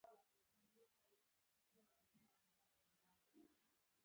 عمل یې نورو موثرو عناصرو پورې توپیر کوي.